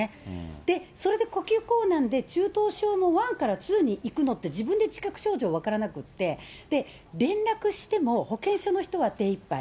で、それで呼吸困難で、中等症の１から２にいくのって自分で自覚症状分からなくて、連絡しても保健所の人は手いっぱい。